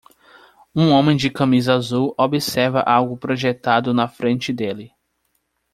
Um homem de camisa azul observa algo projetado na frente dele.